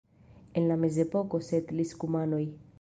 En la mezepoko setlis kumanoj.